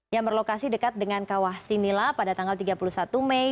yang berlokasi dekat dengan kawah sinila pada tanggal tiga puluh satu mei